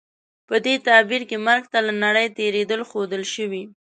په دې تعبیر کې مرګ ته له نړۍ تېرېدل ښودل شوي.